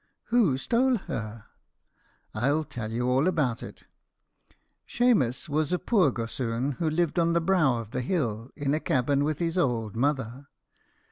"Who stole her?" "I'll tell you all about it: Shemus was a poor gossoon, who lived on the brow of the hill, in a cabin with his ould mother.